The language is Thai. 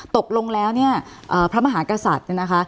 ตกลงแล้วเนี่ยพระมหากษัตริย์เนี่ยนะคะ